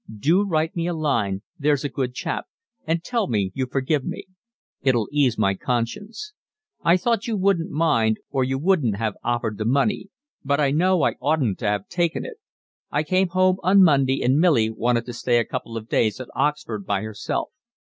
Do write me a line, there's a good chap, and tell me you forgive me. It'll ease my conscience. I thought you wouldn't mind or you wouldn't have offered the money. But I know I oughtn't to have taken it. I came home on Monday and Milly wanted to stay a couple of days at Oxford by herself.